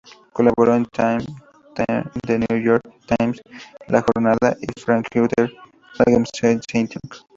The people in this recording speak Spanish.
Colaboró en "Time", "The New York Times", "La Jornada" y "Frankfurter Allgemeine Zeitung".